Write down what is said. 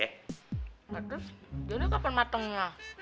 nah terus jonny kapan matengnya